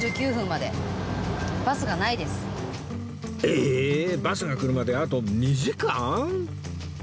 えーっバスが来るまであと２時間？